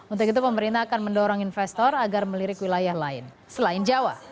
untuk itu pemerintah akan mendorong investor agar melirik wilayah lain selain jawa